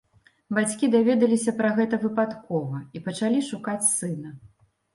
Бацькі даведаліся пра гэта выпадкова і пачалі шукаць сына.